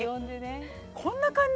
こんな感じ？